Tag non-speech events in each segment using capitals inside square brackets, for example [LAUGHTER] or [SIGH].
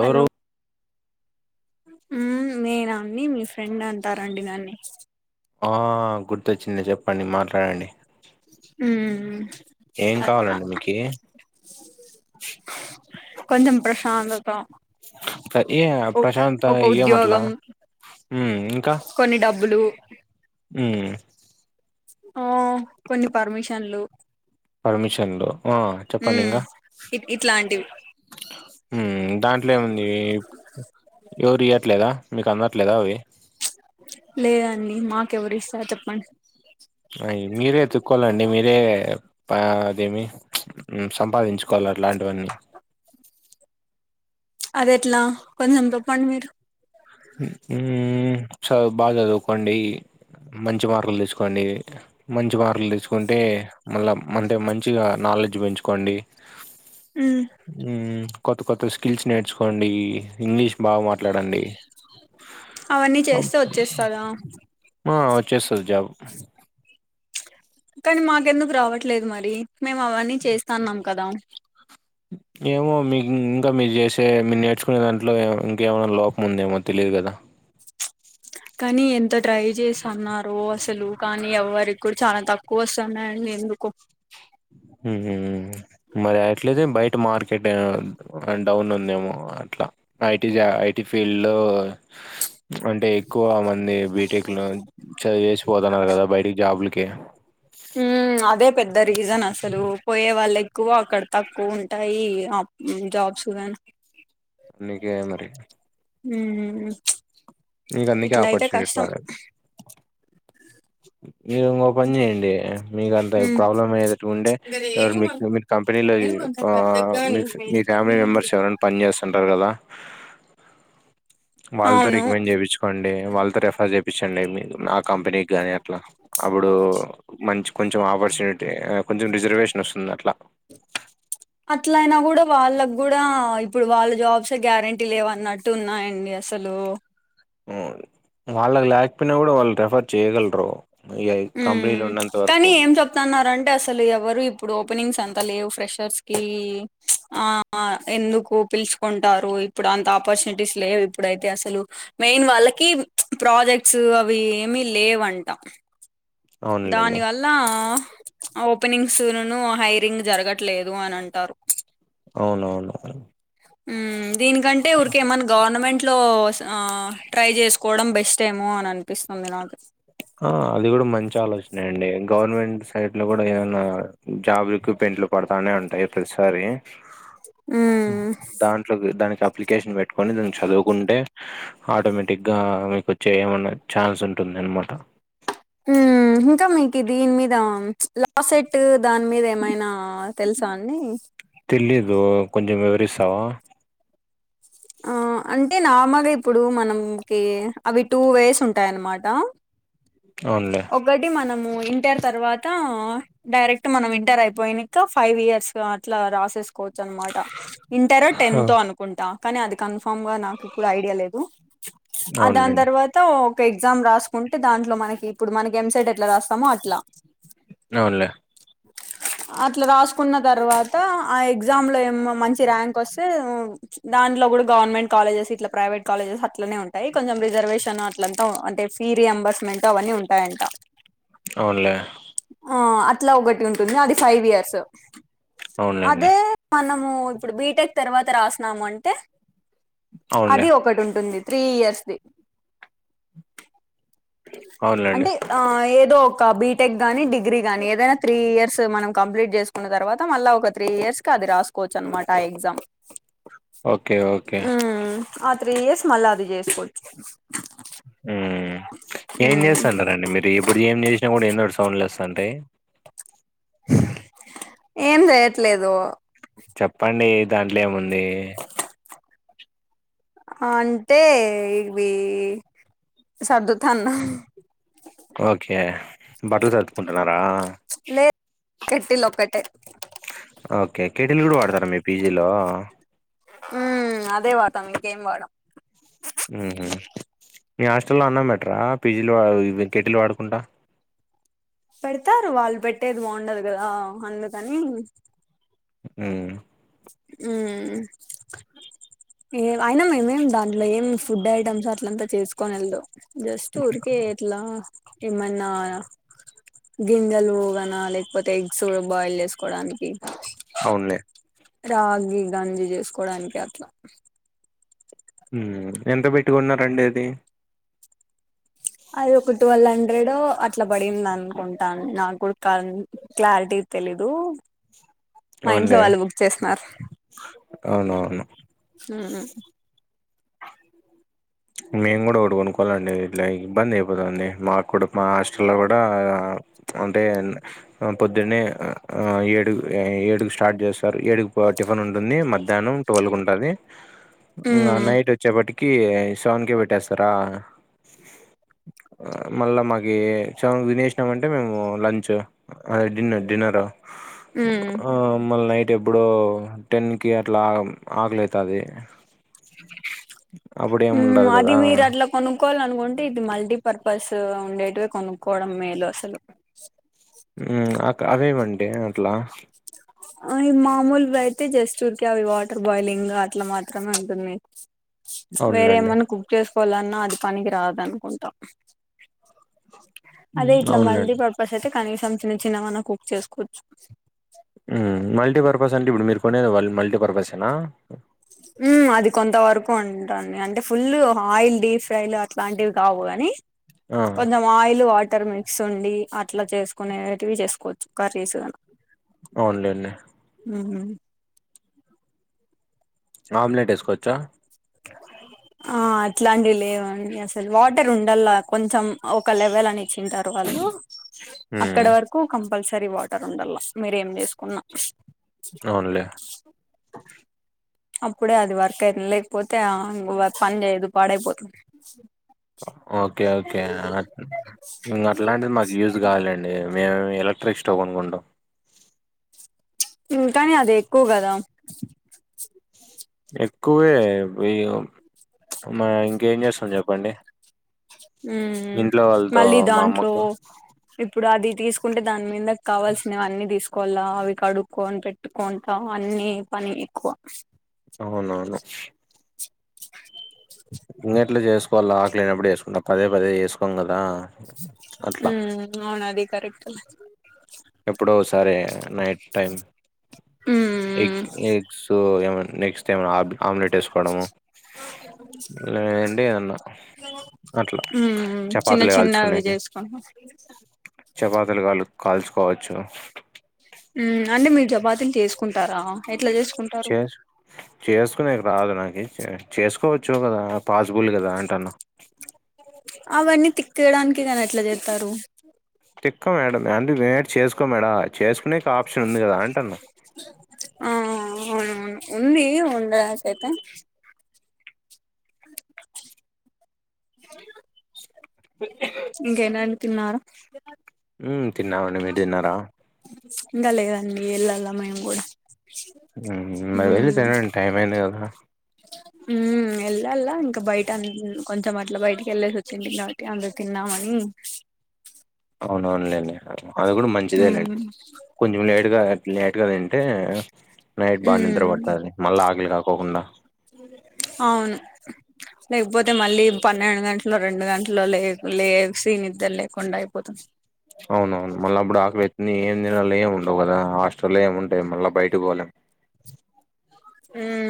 Hello నేనా అండి మీ ఫ్రెండ్ అంటారండి దన్ని. ఆ గుర్తొచ్చింది చెప్పండి మాట్లాడండి. ఉ. ఏం కావాలండి మీకి. కొంచం ప్రశాంతత. అదే ఒ ప్రశాంత ఒక ఏమట్లా ఉద్యోగం ఇంకా. కొన్ని డబ్బులు. ఉ. ఆ కొన్ని పర్మిషన్లు. పర్మిషన్లు ఆ హ చెప్పండి ఇంకా ఇ ఇట్లాంటివి. దాంట్లో ఏముంది ఎవరు ఇయట్లేదా మీకు అందట్లేదా అవి. లేదండి మాకెవరి ఇస్తార చెప్పన్. ఐ మీరే ఎతుక్కోవాలండి మీరే. అదేమి సంపాదించుకోవాలి అలాంటివన్నీ. అది ఎట్లా కొంచెం తప్పండి మీరు. చ బాగా చదువుకోండి. మంచి మార్కులు తీసుకోండి మంచి మార్కులు తీసుకుంటే. మళ్ళా అంటే మంచిగా నాలెడ్జ్ పెంచుకోండి. అ. కొత్త కొత్త స్కిల్స్ నేర్చుకోండి ఇంగ్లీష్ బాగా మాట్లాడండి. అవన్నీ చేస్తే వచ్చేస్తదా ఆ వచ్చేస్తది జాబ్. కానీ మాకెందుకు రావట్లేదు మరి మేము అవన్నీ చేస్తాన్నాం కదా. ఏమో మీ ఇంకా మీరు చేసే మీరు నేర్చుకునే దాంట్లో ఇంకేమైనా లోపం ఉందేమో తెలిదు కదా. కానీ ఎంత ట్రై చేసి అన్నారో అసలు. కానీ ఎవ్వరి కూడా చాలా తక్కువ వస్తున్నాయండి ఎందుకు. ఉ. మరి అట్లేతే బయట మార్కెట్ డౌన్ ఉందేమో అట్లా. ఐటీ జా ఐటి ఫీల్డ్ లో అంటే ఎక్కువ మంది బీటెక్ లో. చది చేసి పోతున్నారు కదా బయటికి జాబులకె. అదే పెద్ద రీజన్ అసలు పోయే వాళ్ళు ఎక్కువ అక్కడ తక్కువ ఉంటాయి. జిమ్ జాబ్స్ ఎవరైనా. అన్నికే మరి. హ మీకు అందుకే ఇట్ల అయితే ఆపర్చునిటీ కష్టం. రాలే. ఏమో. పని చేయండి మీకు అంత హ్మ్ ప్రాబ్లం అయటు ఉండే ఎవరు మీ మీ కంపెనీలో. మీ మీ ఫ్యామిలీ మెంబర్స్ ఎవరైనా పని చేస్తుంటారు కదా. వాళ్ళతో అవును రికమెండ్ చేయించుకోండి వాళ్ళతో రిఫర్ చేయిించండి ఆ కంపెనీకి గాని అట్లా. అప్పుడు మంచి కొంచెం ఆపర్చునిటీ కొంచెం రిజర్వేషన్ వస్తుంది అట్లా. [INAUDIBLE] అట్లయినా కూడా వాళ్ళకి కూడా ఇప్పుడు వాళ్ళ జాబ్స్ గ్యారెంటీ లేవన్నట్. టు ఉన్నాయండి అసలు. అవును వాళ్ళకి లేకపోయినా కూడా వాళ్ళు రెఫర్ చేయగలరు. ఈగ ఈ కంపెనీలు ఉన్నంత వరకు. న్నారు అంటే అసలు ఎవరు ఇప్పుడు ఓపెనింగ్స్ అంత లేవు ఫ్రెషర్స్ కి. ఆ ఎందుకు పిలుచుకుంటారు ఇప్పుడు అంత ఆపర్చునిటీస్ లేవు ఇప్పుడైతే అసలు మెయిన్ వాళ్ళకి ప్రాజెక్ట్స్ అవి ఏమి లేవంట దాని అవునులేండి వాళ్ ల్ల ఓపెనింగ్స్ నును హైరింగ్ జరగట్లేదు అని అంటారు అవునవునువు దీనికంటే ఊరిక ఏమన్నా గవర్నమెంట్ లో ఆ ట్రై చేసుకోవడం బెస్ట్ మో అని అనిపిస్తుంది నాకు ఆ అది కూడా మంచి ఆలోచనె అండి గవర్నమెంట్ సైడ్ లో కూడా ఏమైనా జాబ్రిక్ పెంట్లు పడతానే ఉంటాయి ప్రతిసారి మ్మ్ దాన్ దానికి అప్లికేషన్ పెట్టుకొని దాన్ని చదువుకుంటే ఆటోమేటిక్ గా మీకు వచ్చే ఏమన్నా ఛాన్స్ ఉంటుంది అనమాట మ్మ్ [INAUDIBLE] ఇంకా మీకు దీని మీద లాసెట్ దాని మీద ఏమైనా తెలుసా అండి తెలిదు కొంచం వివరిస్తావా అంటే నామగా ఇప్పుడు మనంకి అవి టూ వేస్ ఉంటాయన్నమాట అవునులే ఒకటి మనము ఇంటర్ తర్వాత డైరెక్ట్ మనం ఇంటర్ అయిపోయినిక ఫైవ్ ఇయర్స్ అట్లా రాసేసు కోచ్ అనమాట ఇంటర్ ఆ! టెన్త్ తో అనుకుంటా కానీ అది కన్ఫామ్ గా నాకు ఐడియా లేదు ఆ దాని అవునులేండి తర్వాత ఒక ఎగ్జామ్ రాసుకుంటే దాంట్లో మనకి ఇప్పుడు మనకి ఎంసేట్ ఎట్లా రాస్తామో అట్లా అవున్ లే అట్లా రాసుకున్న తర్వాత ఆ ఎగ్జామ్ లో ఏమో మంచి ర్యాంక్ వస్తే దాట్లో కూడా గవర్నమెంట్ కాలేజెస్ ఇట్లా ప్రైవేట్ కాలేజెస్ అట్లనే ఉం టాయి కొంచెం రిజర్వేషన్ అట్లంతా అంటే ఫీ రి ఎంబర్స్మెంట్ అవన్నీ ఉంటాయంట అవునులే ఆ అట్లా ఒకటి ఉంటుంది అది ఫైవ్ ఇయర్స్ అవునులేండి అదే మనము ఇప్పుడు బీటెక్ తర్వాత రాసన్నాము అంటే అవునులే అది ఒకటి ఉంటుంది త్రీ ఇయర్స్ది అవున్ లేండి అంటే ఆ ఏదో ఒక బీటెక్ గాని డిగ్రీ గాని ఏదైనా త్రీ ఇయర్స్ మనం కంప్లీట్ చేసు కున్న తర్వాత మళ్ళీ ఒక త్రీ ఇయర్స్ కి అది రాసుకోవచ్చు అనమాట ఆ ఎగ్జామ్ ఓకే ఓకే ఉమ్ ఆ త్రీ ఇయర్స్ మళ్ళా అది చేసుకోవచ్చు ఏం ఉమ్ చేస్తాంటారండి మీరు ఎప్పుడు ఏం చేసినా కూడా ఏందోటి సౌండ్లు వస్తా అంటే ఏం చేయట్లేదు చెప్పండి దాంట్లో ఏముంది అంటే ఇవి సర్దుతన్న ఓకే బట్టలు సర్డుకుంటున్నారా లే కేటిల్ లోక్కటే ఓకే కేటీలు కూడా వాడతారా మీ పీజీలో ఉ అదే వాతం ఇకేం వాడం మీ హాస్టల్లో అన్నం మెట్రా పీజీలు కెటీలు వాడుకుంటా పెడతారు వాళ్ళు పెట్టేది బాగుండదు కదా అందుకని ఉ ఉ ఏ అయినా మేమేం దాంట్లో ఏం ఫుడ్ ఐటమ్స్ అట్లంతా చేసుకోని వెళ్దు జస్ట్ ఊరికే ఇట్లా ఏమన్నా గింజెలు కన లేకపోతే ఎగ్స్ బాయిల్ చేసుకోవడానికి అవునులే రాగి గంజి చేసుకోడానికి అట్లా మ్ ఎంత పెట్టుకున్నారండి అది? అది ఒక ట్వెల్వ్ హండ్రెడ్ అట్లా పడింద అనుకుంటాను నాకు కూడా కా క్లారిటీ తేలీదు చి మా ఇంట్లో వాళ్ళు బుక్ చేస్కున్నారు అవును అవును మ్హు ఆ మేము కూడా ఓటి కొనుకోవాలండి ఇట్లా ఇబ్బంది అయిపోతుంది మాక్కూడా మా హాస్టల్ లో కూడా అంటే ఆ పొద్దున్నే ఆ ఏడు ఏడు కు స్టార్ట్ చేస్తారు ఏడు కు టిఫిన్ ఉంటుంది మధ్యాహ్నం ట్వల్వ్ కు ఉంటది ఇంగా మ్మ్ నైట్ వచ్చేప్పటికి సెవెన్ కి పెట్టేస్తారా? మళ్ళా మాకి సెవెన్ కి తినేసినా మంటే మేము లంచ్ అదే డిన్నర్ డిన్నర్ మ్మ్ ఆ మళ నైట్ అంటే ఎప్పుడో టెన్ కి అట్లా ఆకలి అయితది మ్ ఉండదు అది కదా మీరు అట్లా కొనుక్కోవాల అనుకుంటే ఇది మల్టీ పర్పస్ ఉండేటవి కొనుక్కోవడం మేలు అసలు మ్ అక్క అవేవండి అట్లా అది మామూలు అయితే జస్ట్ ఉరికే అవి వాటర్ బాయిలింగ్ అట్లా మాత్రమే ఉంటుంది. అవునులేండి వేరేమన్నా కుక్ చేసుకోవాలన్నా అది పనికి రాదనుకుంటా అదే ఉమ్, ఇట్లా మల్టీ అవునులేండి పర్పస్ అయితే కనీసం చిన్న చిన్న అన్న కుక్ చేసుకోవచ్చు. మ్ మల్టీపర్పస్ అంటే ఇప్పుడు మీరు కొనేది వాళ్లు మల్టీపర్పసేనా? మ్ అది కొంత వరకు ఉంటుంది అంటే ఫుల్ ఆయిల్ డీప్ ఫ్రైలు అట్లాంటివి కావు గాని ఆ కొంచెం ఆయిల్, వాటర్ మిక్స్ ఉండి అట్లా చేసుకునేటివి చేసుకోవచ్చు కర్రీస్ గాని అవునులేండి ఉహు ఆమ్లెట్ వేసుకోవచ్చా? ఆ అట్లాంటి లేవండి అసలు వాటర్ ఉండలా కొంచెం ఒక లెవెల్ అని చ్చింటారు వాళ్ళు అక్కడ మ్మ్ వర కు కంపల్సరీ వాటర్ ఉండలా మీరేం చేసుకున్నా అవునులే అప్పుడే అది వర్క్ అయింది లేకపోతే అ వర్క్ పని చేయదు పాడైపోతుంది. ఓకే ఓకే అన్ అట్లాంటిది మాకు యూజ్ కావాలండి. మేమ్ ఎలక్ట్రిక్ స్టవ్ అనుకుంటాం ఉంటాని అది ఎక్కువ కదా ఎక్కువే ఇ మ ఇంకేం చేస్తాం చెప్పండి మ్ మ్ ఇంట్లో వాళ్ళతో మళ్ళీ మా దాంట్లో అమ్మకు ఇప్పుడు అది తీసుకుంటే దాని మీద కావాల్సినవి అన్నీ తిస్ కొల్లా అవి కడుక్కోన్ పెట్టుకుంటామ్ అన్ని పని ఎక్కువ అవును అవును చ్ ఇంగెట్లా చేసుకోవల్లా ఆకలైనప్పుడు వేసుకుం పదే పదే చేసుకోం కదా ఉ అట్లా అవును అది కరెక్ట్ ఎప్పుడో ఒసారి నైట్ టైం ఎగ్ ఉమ్ ఎగ్స్ ఏమ నెక్స్ట్ టైమ్ ఆమ్లెట్ వేసుకోవడము లేండి ఏదన్న అట్ల ఉమ్ చిన్న చపాతులు చిన్నవి కాల్చుకొనికి చేసుకుంటాం చపాతులు కాల్ కాల్చుకోవచ్చు మ్ అంటే మీరు చపాతీలు చేసుకుంటారా ఎట్లా చేసుకుంటారు చేసు చేసుకునేకి రాదు నాకి చెస్ చేసుకోవచ్చు కదా పాసిబుల్ కదా అంటన్నా అవన్నీ తిక్కడానికి కదా అట్లా జేత్తారు తిక్కం యాడ అండి చేసుకో మేడ చేసుకునేకి ఆప్షన్ ఉంది కదా అంటన్నా ఆ మ్ ఉంది ఉండకైతే స [UNINTELLIGIBLE] ఇంకేనా తిన్నారా మ్ తిన్నామండి మీరు తిన్నారా ఇంగా లే అండి ఎల్లాలా మేమ్ గూడ [INAUDIBLE] [UNINTELLIGIBLE] టైమ్ అయింది కదా ఉ ఎల్లల్ల ఇంక బయట అ కొంచెం అట్ల బయటికి ఎల్లేసి వచ్చింది కాబట్టి అందరు తిన్నామణి అవునవునులేండి అది కూడా మంచిదే లేండి మ్మ్ కొంచెం లేటుగా అట్లా లేట్గా తింటే నైట్ బాగ నిద్ర మ్మ్ పడుతాది మళ్ళ ఆకలి కాకోకుండా ఆవును లేకపోతే మళ్ళీ పన్నెండు గంట్లు రెండు గంట్లు లే లేసి నిద్ర లేకుండా అయిపోతుం అవునవును మళ్ళా అప్పుడు ఆకలి అయిత్తుంది ఏం తినలో ఏ ఉండవు కదా హాస్టల్లో ఏమ్ ఉంటాయి మళ్ళ బయటకి పోలేం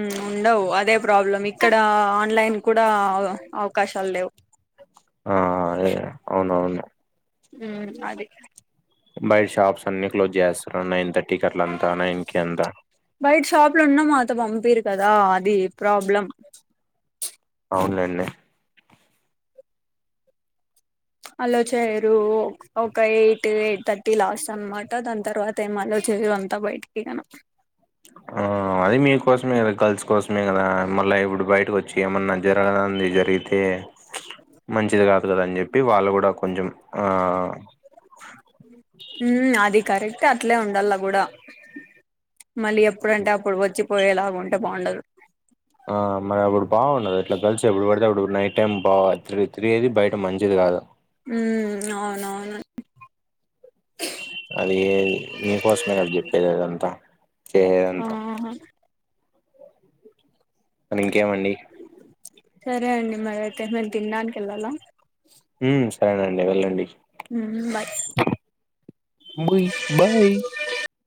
మ్ ఉండవు అదే ప్రాబ్లం ఇక్కడ ఆన్లైన్ కూడా అవకాశాల్ లేవు ఆ ఎ అవునవును హ్మ్ అది బయట షాప్స్ అన్ని క్లోజ్ జేస్తు నైన్ థర్టీకి అట్ల అంతా నైన్ కి అంతా బయట షాప్లో ఉన్నా మాతో పంపీరు కదా అది ప్రాబ్లం అవునండి అలో చేయరు ఒక ఎయిట్ ఎయిట్ థర్టీ లాస్ట్ అన్మాట దాని తర్వాత ఏమన్నా అంతా బయటకియనుం ఆ అది మీకోసమే కదా గర్ల్స్ కోసమే కదా మల్ల ఇప్పుడు బయటకు వచ్చి ఏమన్నా జరగరానిది జరిగితే మంచిది కాదు కదా అని చెప్పి వాళ్ళు కూడా కొంచెం ఆ ఉ అది కరెక్టే అట్లే ఉండల్ల గుడా మళ్ళీ ఎప్పుడంటే అప్పుడు వచ్చిపోయేలాగా ఉంటే బాగుండదు ఆ మరి అప్పుడు బాగుండదు ఇట్లా గర్ల్స్ ఎబుడు పడితే అబుడు నైట్ టైమ్ బాగ తిరిగేది బయట మంచిది కాదు హ్మ్ అవునవును అది మీకోసమే కదా చెప్పేది అదంతా చేదంతా ఆహా ఇంకేమండి సరే అండి మరి అయితే మీరు తినడానికి ఏళ్లాలా వ్మ్ సరేండి వెళ్ళండి వ్మ్ బయ్ బుయి బాయ్